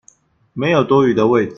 沒有多餘的位子